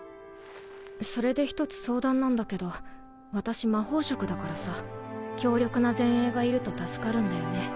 それで１つ相談なんだけど私魔法職だからさ強力な前衛がいると助かるんだよね。